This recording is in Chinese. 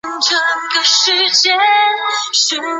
霍普留下许多名言。